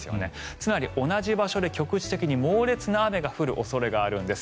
つまり同じ場所で局地的に猛烈な雨が降る恐れがあるんです。